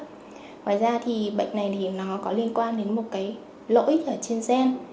ngoài ra thì bệnh này thì nó có liên quan đến một cái lỗi ở trên gen